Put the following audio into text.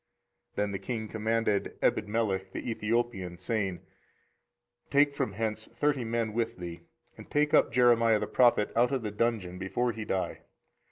24:038:010 Then the king commanded Ebedmelech the Ethiopian, saying, Take from hence thirty men with thee, and take up Jeremiah the prophet out of the dungeon, before he die.